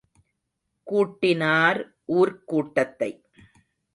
கூட்டினார் ஊர்க் கூட்டத்தை.